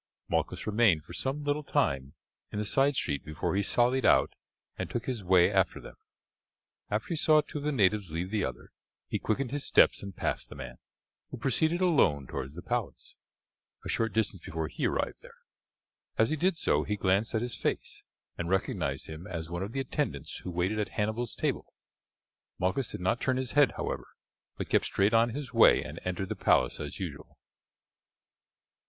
Malchus remained for some little time in the side street before he sallied out and took his way after them. After he saw two of the natives leave the other, he quickened his steps and passed the man, who proceeded alone towards the palace, a short distance before he arrived there. As he did so he glanced at his face, and recognized him as one of the attendants who waited at Hannibal's table. Malchus did not turn his head, however, but kept straight on his way and entered the palace as usual.